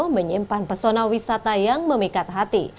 menyimpan pesona wisata yang memikat hati